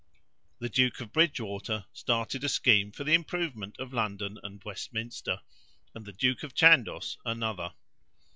The Duke of Bridgewater started a scheme for the improvement of London and Westminster, and the Duke of Chandos another.